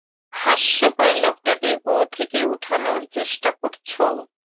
হাস্যকর লোকটাকে কুয়ো থেকে উঠানোর চেষ্টা করছো।